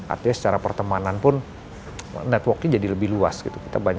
artinya secara pertemanan pun networknya jadi lebih luas gitu